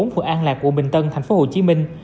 phù an lạc của bình tân thành phố hồ chí minh